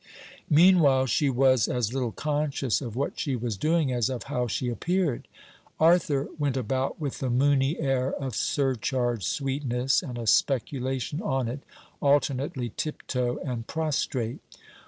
Meanwhile she was as little conscious of what she was doing as of how she appeared. Arthur went about with the moony air of surcharged sweetness, and a speculation on it, alternately tiptoe and prostrate.